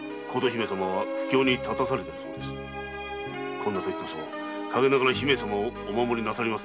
こんな時こそ陰ながら姫様をお守りなされませ。